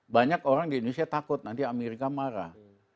banyak orang di indonesia takut nanti amerika marah